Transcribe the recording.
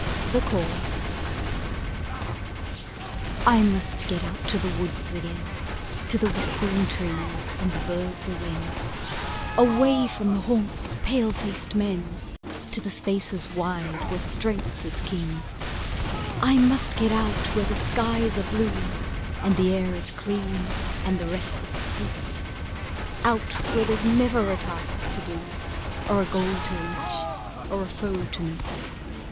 THE CALL I must get out to the woods again, to the whispering tree, and the birds a wing, Away from the haunts of pale faced men, to the spaces wide where strength is king; I must get out where the skies are blue and the air is clean and the rest is sweet, Out where there's never a task to do or a goal to reach or a foe to meet.